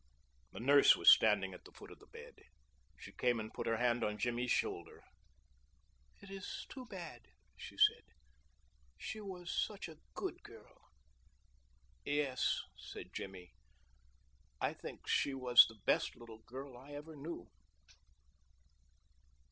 The nurse was standing at the foot of the bed. She came and put her hand on Jimmy's shoulder. "It is too bad," she said; "she was such a good girl." "Yes," said Jimmy, "I think she was the best little girl I ever knew."